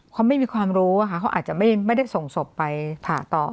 เขาไม่มีความรู้เขาอาจจะไม่ได้ส่งศพไปผ่าต่อ